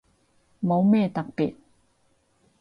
冇咩特別